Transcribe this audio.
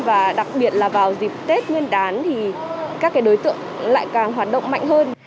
và đặc biệt là vào dịp tết nguyên đán thì các đối tượng lại càng hoàn toàn